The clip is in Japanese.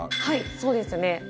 はいそうですね。